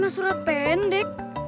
lima surat pendek